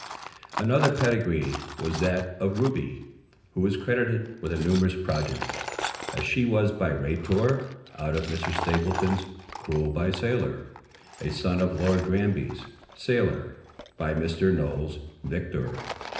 Another pedigree was that of Ruby, who is credited with a numerous progeny, as she was by Raytor out of Mr. Stapleton's Cruel by Sailor, a son of Lord Granby's Sailor by Mr. Noel's Victor.